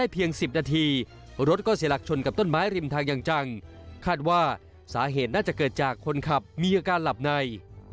เพียงการหลับใน